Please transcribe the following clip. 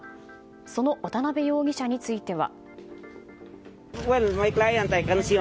その渡辺容疑者については。